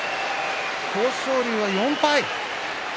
豊昇龍は４敗。